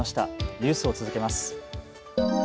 ニュースを続けます。